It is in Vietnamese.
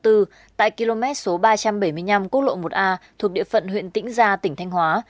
tại km số ba trăm bảy mươi năm quốc lộ một a thuộc địa phận huyện tĩnh gia tỉnh thanh hóa